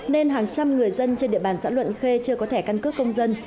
nên hàng trăm người dân trên địa bàn xã luận khê chưa có thẻ căn cước công dân